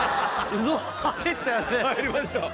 入りました。